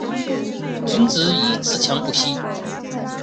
君子以自强不息